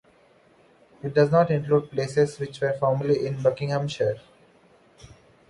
It does not include places which were formerly in Buckinghamshire.